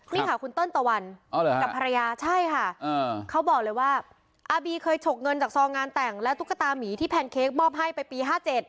นี่ค่ะคุณเติ้ลตะวันกับภรรยาใช่ค่ะเขาบอกเลยว่าอาบีเคยฉกเงินจากซองงานแต่งและตุ๊กตามีที่แพนเค้กมอบให้ไปปี๕๗